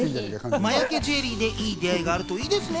魔除けジュエリーでいい出会いがあるといいですね。